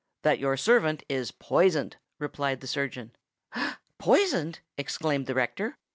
"That your servant is poisoned," replied the surgeon. "Poisoned!" exclaimed the rector.